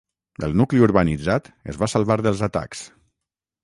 El nucli urbanitzat es va salvar dels atacs.